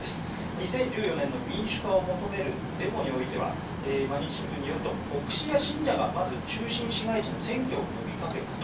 ２０１４年の民主化を求めるデモにおいては毎日新聞によると牧師や信者がまず中心市街地の占拠を呼びかけたと。